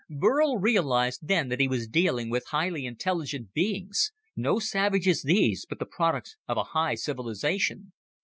Burl realized then that he was dealing with highly intelligent beings no savages, these, but the products of a high civilization.